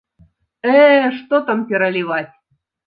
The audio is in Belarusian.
Э, што там пераліваць!